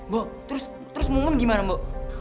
bu terus ngomong gimana bu